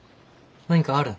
何かあるん？